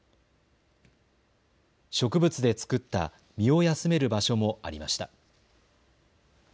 植物で作った身を休める場所もありました。